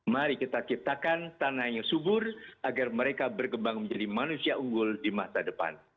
mari kita ciptakan tanah yang subur agar mereka berkembang menjadi manusia unggul di masa depan